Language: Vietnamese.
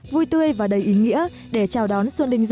vui tươi và đầy ý nghĩa để chào đón xuân đình dậu hai nghìn một mươi bảy